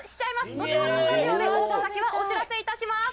後ほどスタジオで応募先はお知らせいたします。